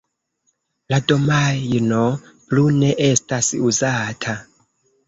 La domajno plu ne estas uzata.